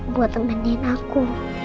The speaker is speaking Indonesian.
buat temenin aku